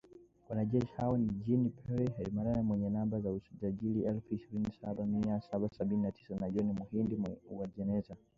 Wanajeshi hao ni Jean Pierre Habyarimana mwenye namba za usajili elfu ishirini na saba mia saba sabini na tisa na John Muhindi Uwajeneza.